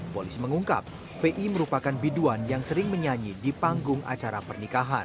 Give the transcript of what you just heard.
polisi mengungkap vi merupakan biduan yang sering menyanyi di panggung acara pernikahan